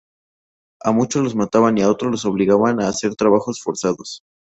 A muchos los mataban y a otros los obligaban a hacer trabajos forzados.